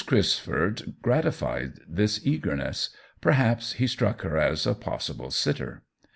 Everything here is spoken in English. Crisford grati fied this eagerness — perhaps he struck her as a possible sitter.